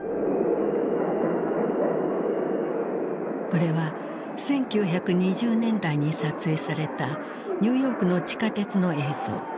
これは１９２０年代に撮影されたニューヨークの地下鉄の映像。